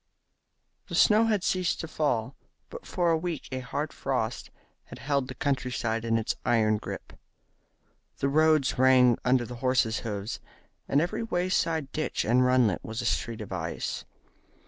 The snow had ceased to fall, but for a week a hard frost had held the country side in its iron grip. The roads rang under the horses' hoofs, and every wayside ditch and runlet was a street of ice.